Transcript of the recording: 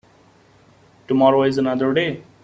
Tomorrow is another day.